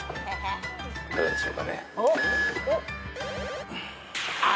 いかがでしょうかね。